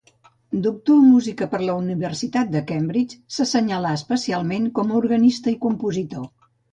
Doctor en música per la Universitat de Cambridge, s'assenyalà especialment com a organista i compositor.